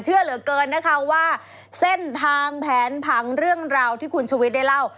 เชื่อเหลือเกินนะคะว่าเส้นทางแผนผังเรื่องราวที่คุณชุวิตได้เล่า